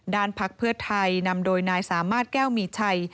พักเพื่อไทยนำโดยนายสามารถแก้วมีชัย